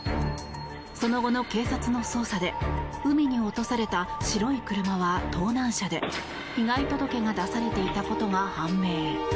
その後の警察の捜査で海に落とされた白い車は盗難車で被害届が出されていたことが判明。